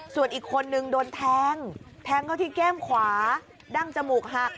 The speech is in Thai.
ส่วนอีกคนนึงโดนแทงแทงเข้าที่แก้มขวาดั้งจมูกหัก